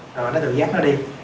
rồi nó được dắt nó đi